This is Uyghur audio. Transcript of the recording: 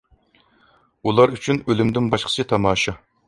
ئۇلار ئۈچۈن ئۆلۈمدىن باشقىسى تاماشا.